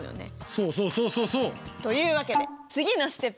そうそうそうそうそう！というわけで次のＳＴＥＰ。